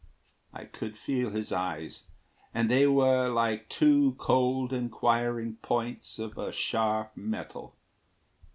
I could feel his eyes, And they were like two cold inquiring points Of a sharp metal.